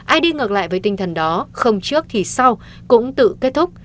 ai đi ngược lại với tinh thần đó không trước thì sau cũng tự kết thúc